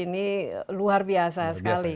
ini luar biasa sekali